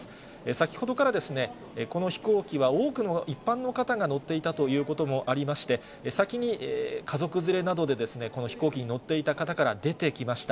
先ほどから、この飛行機は多くの一般の方が乗っていたということもありまして、先に、家族連れなどで、この飛行機に乗っていた方から出てきました。